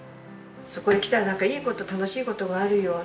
そこへ来たらなんかいい事楽しい事があるような。